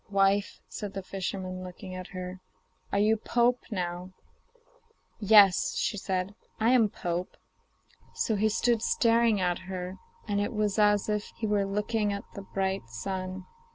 'Wife,' said the fisherman looking at her, 'are you pope now?' 'Yes,' said she; 'I am pope.' So he stood staring at her, and it was as if he were looking at the bright sun.